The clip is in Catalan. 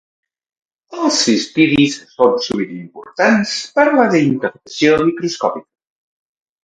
Els cistidis són sovint importants per a la identificació microscòpica.